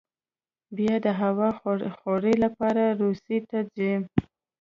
بیا د هوا خورۍ لپاره روسیې ته ځي.